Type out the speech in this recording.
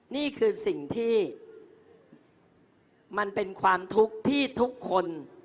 นี่คือสิ่งที่มันเป็นความทุกข์ที่ทุกคน